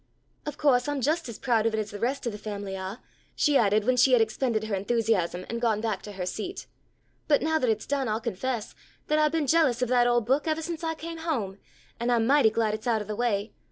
"Of co'se I'm just as proud of it as the rest of the family are," she added when she had expended her enthusiasm and gone back to her seat, "but now that it's done I'll confess that I've been jealous of that old book evah since I came home, and I'm mighty glad it's out of the way.